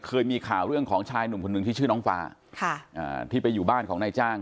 เคยมีข่าวเรื่องของชายหนุ่มคนหนึ่งที่ชื่อน้องฟ้าที่ไปอยู่บ้านของนายจ้าง